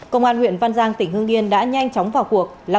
công an huyện văn giang tỉnh hương yên đã nhanh chóng vào cuộc